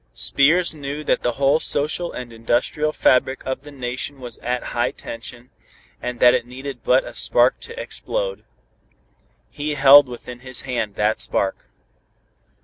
Spears knew that the whole social and industrial fabric of the nation was at high tension, and that it needed but a spark to explode. He held within his hand that spark.